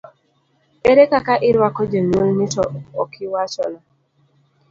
Ere kaka irwako jonyuolni, to okiwachona?